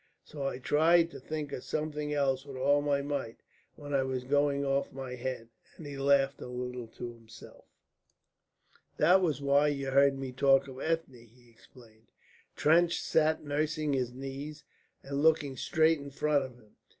So I tried to think of something else with all my might, when I was going off my head." And he laughed a little to himself. "That was why you heard me talk of Ethne," he explained. Trench sat nursing his knees and looking straight in front of him.